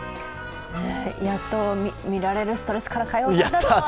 やっと見られるストレスから開放されたぞと。